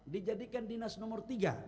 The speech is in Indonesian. dijadikan dinas nomor tiga